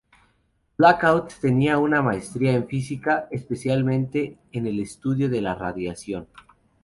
Blackout tenía una maestría en física, especialmente en el estudio de la radiación.